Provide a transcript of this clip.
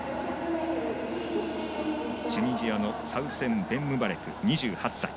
チュニジアのサウセン・ベンムバレク、２８歳。